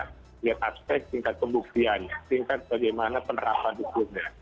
melihat aspek tingkat pembuktian tingkat bagaimana penerapan hukumnya